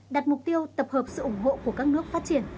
đặt mục tiêu tập hợp sự ủng hộ của các nước phát triển